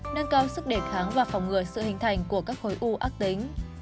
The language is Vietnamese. nâng cao sức đề kháng và phòng ngừa sự hình thành của các khối u ác tính